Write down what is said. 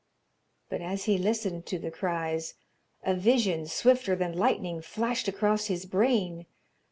but as he listened to the cries, a vision, swifter than lightning, flashed across his brain.